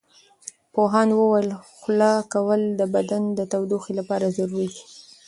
پوهاند وویل خوله کول د بدن د تودوخې لپاره ضروري دي.